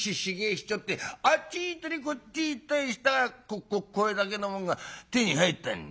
ひっちょってあっち行ったりこっち行ったりしたからこっこっこれだけのもんが手に入ったんだ。